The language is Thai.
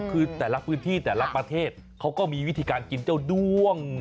คือแต่ละพื้นที่แต่ละประเทศเขาก็มีวิธีการกินเจ้าด้วง